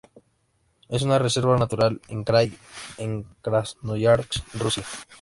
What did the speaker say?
Es una reserva natural en Krai de Krasnoyarsk, Rusia.